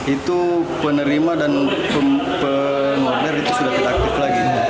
itu penerima dan penerima itu sudah aktif lagi